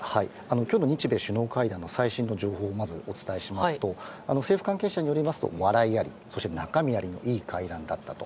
今日の日米首脳会談の最新の情報をお伝えしますと政府関係者によりますと笑いあり、中身ありのいい会談だったと。